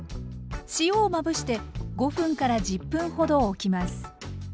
塩をまぶして５分から１０分ほどおきます。